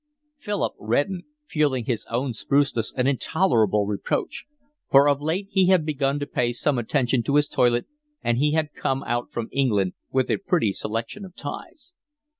Philip reddened, feeling his own spruceness an intolerable reproach; for of late he had begun to pay some attention to his toilet, and he had come out from England with a pretty selection of ties.